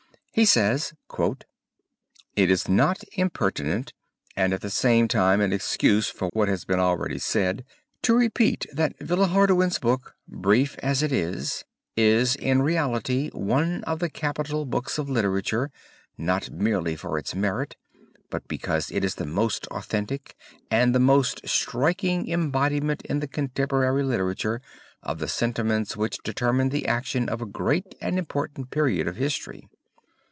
He says: "It is not impertinent, and at the same time an excuse for what has been already said, to repeat that Villehardouin's book, brief as it is, is in reality one of the capital books of literature, not merely for its merit, but because it is the most authentic and the most striking embodiment in the contemporary literature of the sentiments which determined the action of a great and important period of history.